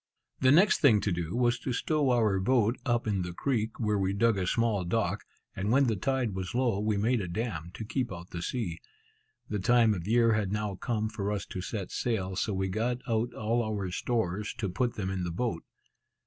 The next thing to do was to stow our boat up in the creek, where we dug a small dock; and when the tide was low, we made a dam, to keep out the sea. The time of year had now come for us to set sail, so we got out all our stores, to put them in the boat.